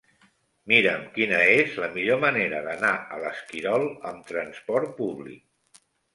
Mira'm quina és la millor manera d'anar a l'Esquirol amb trasport públic.